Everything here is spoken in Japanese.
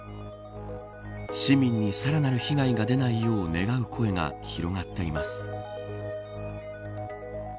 市民にさらなる被害が出ないよう願う声が広がっています。